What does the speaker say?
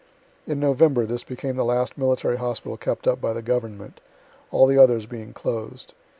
In November, this became the last military hospital kept up by the government, all the others being closed.